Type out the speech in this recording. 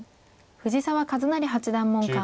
藤澤一就八段門下。